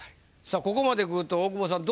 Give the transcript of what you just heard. さあここまでくると大久保さん